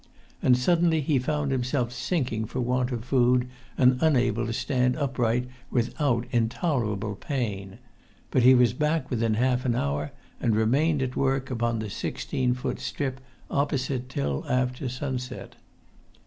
And suddenly he found himself sinking for want of food, and unable to stand upright without intolerable pain. But he was back within half an hour, and remained at work upon the sixteen foot strip opposite till after sunset.